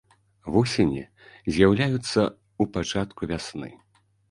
Вусені з'яўляюцца ў пачатку вясны.